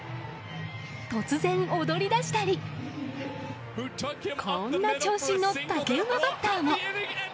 突然踊り出したりこんな長身の竹馬バッターも。